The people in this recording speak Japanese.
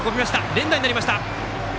連打になりました。